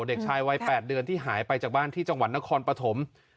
เด็กชายวัย๘เดือนที่หายไปจากบ้านที่จังหวัดนครปฐม